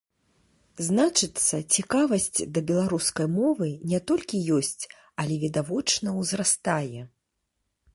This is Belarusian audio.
Значыцца, цікавасць да беларускай мовы не толькі ёсць, але відавочна ўзрастае.